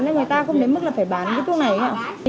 nên người ta không đến mức là phải bán cái thuốc này ạ